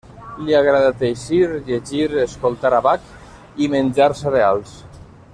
Li agrada teixir, llegir, escoltar a Bach i menjar cereals.